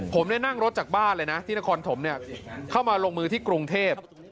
ผมได้นั่งรถจากบ้านเลยนะที่นครถมเข้ามาลงมือที่กรุงเทพ